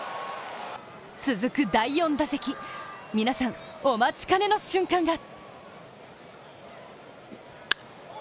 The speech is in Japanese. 続く第４打席、皆さんお待ちかねの瞬間が！